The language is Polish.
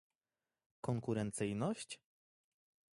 Konkurencyjność?